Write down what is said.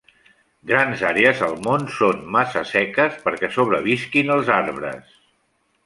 Grans àrees al món són massa seques perquè sobrevisquin els arbres.